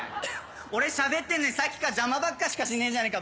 俺しゃべってんのにさっきから邪魔ばっかしかしねえじゃねぇか！